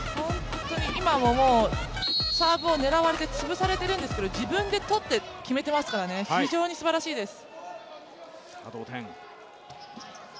本当に今も、もうサーブを狙われて潰されてるんですけど自分で取って決めていますからね、非常にすばらしいです。